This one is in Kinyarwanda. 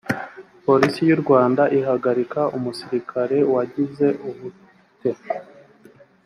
polisi y u rwanda ihagarika umusirikare wagize ubute